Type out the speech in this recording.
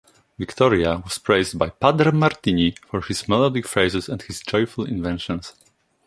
Victoria was praised by Padre Martini for his melodic phrases and his joyful inventions.